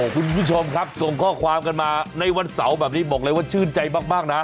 คุณผู้ชมครับส่งข้อความกันมาในวันเสาร์แบบนี้บอกเลยว่าชื่นใจมากนะ